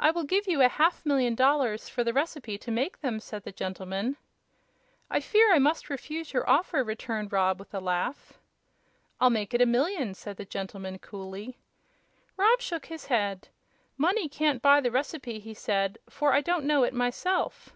"I will give you a half million dollars for the recipe to make them," said the gentleman. "I fear I must refuse your offer," returned Rob, with a laugh. "I'll make it a million," said the gentleman, coolly. Rob shook his head. "Money can't buy the recipe," he said; "for I don't know it myself."